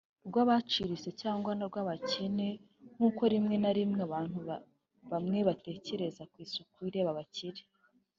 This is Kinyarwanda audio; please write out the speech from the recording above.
rw'abaciriritse cyangwa rw'abakene nk'uko rimwe na rimwe abantu bamwe batekereza ko isuku ireba abakire